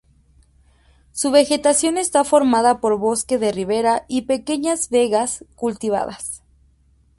Su vegetación está formada por bosque de ribera y pequeñas vegas cultivadas.